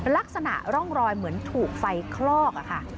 ลักษณะร่องรอยเหมือนถูกไฟคลอกอะค่ะ